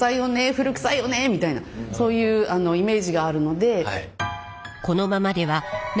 古くさいよねみたいなそういうイメージがあるので。